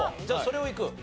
じゃあそれをいく？